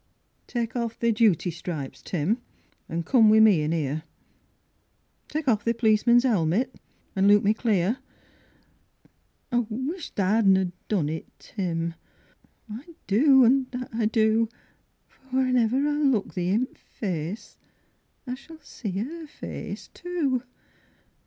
IX Take off thy duty stripes, Tim, An' come wi' me in here, Ta'e off thy p'lice man's helmet An' look me clear. I wish tha hadna done it, Tim, I do, an' that I do! For whenever I look thee i' th' face, I s'll see Her face too.